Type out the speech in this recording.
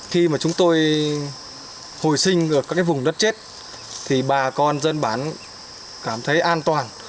khi mà chúng tôi hồi sinh ở các vùng đất chết thì bà con dân bán cảm thấy an toàn